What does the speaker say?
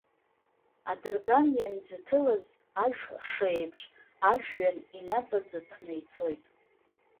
Адырган ианӡыҭылаз ажәхәша еиԥш ажәҩан инаҵаӡыҭны ицоит.